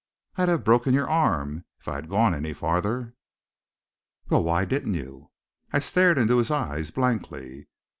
"I'd have broken your arm, if I had gone any farther." "Well, why didn't you?" I stared into his eyes blankly.